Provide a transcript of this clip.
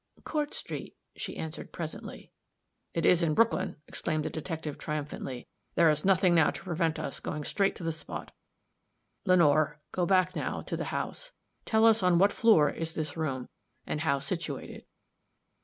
"Court street," she answered, presently. "It is in Brooklyn," exclaimed the detective, triumphantly. "There is nothing now to prevent us going straight to the spot. Lenore, go back now, to the house; tell us on which floor is this room, and how situated."